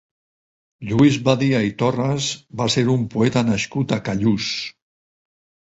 Lluís Badia i Torras va ser un poeta nascut a Callús.